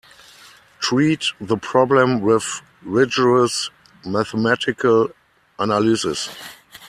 Treat the problem with rigorous mathematical analysis.